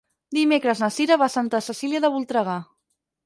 Dimecres na Cira va a Santa Cecília de Voltregà.